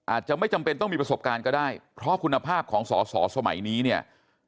อาจจะไม่จำเป็นต้องมีประสบการณ์ก็ได้เพราะคุณภาพของสอสอสมัยนี้เนี่ย